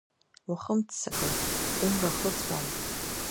Уахымццакын, умра хыҵуам…